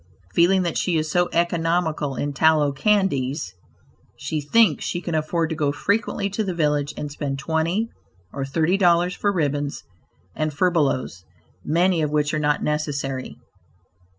Feeling that she is so economical in tallow candies, she thinks she can afford to go frequently to the village and spend twenty or thirty dollars for ribbons and furbelows, many of which are not necessary.